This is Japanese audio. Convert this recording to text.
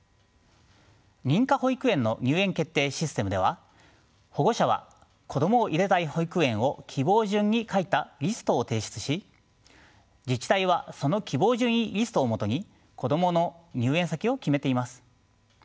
認可保育園の入園決定システムでは保護者は子供を入れたい保育園を希望順に書いたリストを提出し自治体はその希望順位リストをもとに子供の入園先を決めています。